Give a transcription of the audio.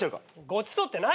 ごちそうって何？